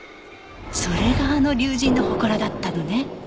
それがあの竜神の祠だったのね。